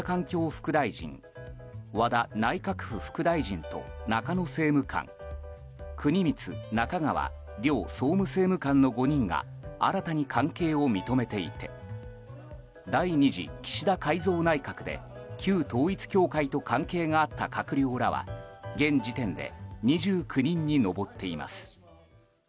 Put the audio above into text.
副大臣和田内閣府副大臣と中野政務官国光・中川両総務政務官の５人が新たに関係を認めていて第２次岸田改造内閣で旧統一教会と関係があった閣僚らは現時点で２９人に上っています。